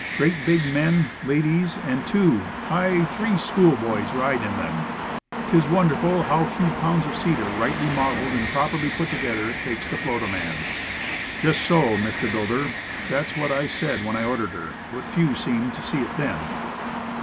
Great big men, ladies, and two, aye, three schoolboys ride in them. It is wonderful how few pounds of cedar, rightly modeled and properly put together, it takes to float a man." Just so, Mr. Rushton. That's what I said when I ordered her. But few seemed to see it then.